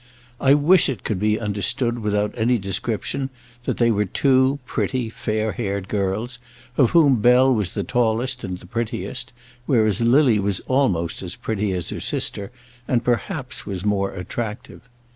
I wish it could be understood without any description that they were two pretty, fair haired girls, of whom Bell was the tallest and the prettiest, whereas Lily was almost as pretty as her sister, and perhaps was more attractive.